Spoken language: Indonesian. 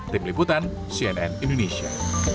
tim liputan cnn indonesia